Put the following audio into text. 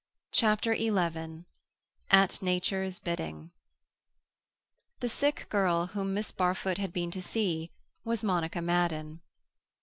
CHAPTER XI AT NATURE'S BIDDING The sick girl whom Miss Barfoot had been to see was Monica Madden.